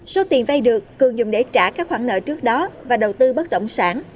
số tiền vay được cường dùng để trả các khoản nợ trước đó và đầu tư bất động sản